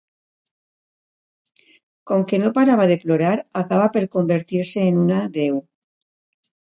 Com que no parava de plorar, acaba per convertir-se en una deu.